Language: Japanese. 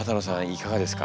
いかがですか？